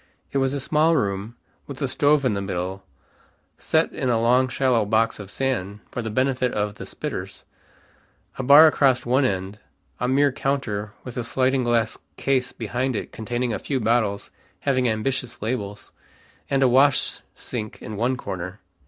It was a small room, with a stove in the middle, set in a long shallow box of sand, for the benefit of the "spitters," a bar across one end a mere counter with a sliding glass case behind it containing a few bottles having ambitious labels, and a wash sink in one corner.